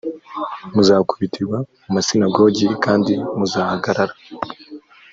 muzakubitirwa mu masinagogi kandi muzahagarara